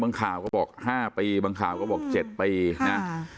ข่าวก็บอก๕ปีบางข่าวก็บอก๗ปีนะ